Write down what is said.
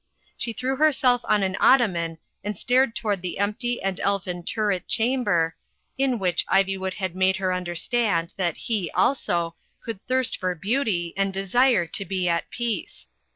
She threw herself on an otto man and stared toward the empty and elfin turret chamber, in which Ivjrwood had made her imderstand that he, also, could thirst for beauty and desire to be at peace.